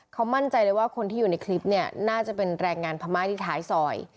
เขามั่นใจเลยว่าคนที่อยู่ในคลิปเนี่ยน่าจะเป็นแรงงานพม่าที่ท้ายซอย